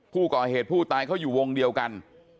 ผู้ก่อเหตุผู้ตายเขาอยู่วงเดียวกัน